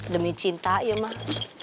demi cinta ya mah